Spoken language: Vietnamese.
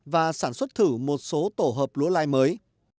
và sản xuất thử một số tổ hợp lúa lai mới